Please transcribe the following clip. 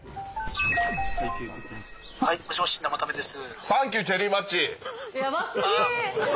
はいもしもし生田目です。